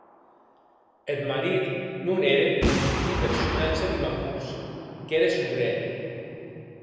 Eth marit non ère qu'un personatge limacós qu'ère sobrèr.